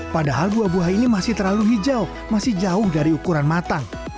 padahal buah buah ini masih terlalu hijau masih jauh dari ukuran matang